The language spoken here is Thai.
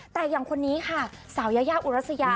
แต่อย่างคนนี้ค่ะสาวยายาอุรัสยา